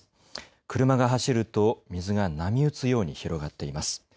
車が走ると水が波打つように広がっています。